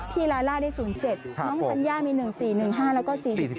ลาล่าได้๐๗น้องธัญญามี๑๔๑๕แล้วก็๔๔